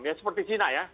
ya seperti cina ya